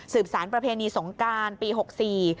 สืบสารประเพณีสงการปี๖๔